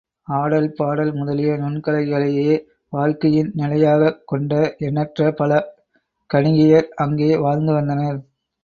ஆடல், பாடல் முதலிய நுண்கலைகளையே வாழ்க்கையின் நிலையாகக் கொண்ட எண்ணற்ற பல கணிகையர் அங்கே வாழ்ந்து வந்தனர்.